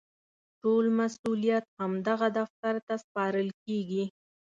ټول مسوولیت همدغه دفتر ته سپارل کېږي.